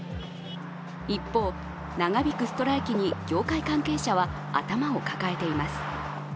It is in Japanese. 一方、長引くストライキに業界関係者は頭を抱えています。